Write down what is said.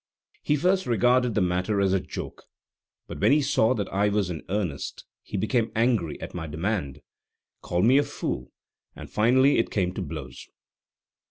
He first regarded the matter as a joke; but when he saw that I was in earnest, he became angry at my demand, called me a fool, and finally it came to blows.